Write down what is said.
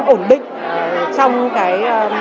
ổn định trong cái